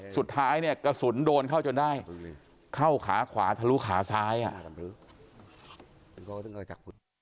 สุดท้ายเนี่ยกระสุนโดนเข้าจนได้เข้าขาขวาทะลุขาซ้าย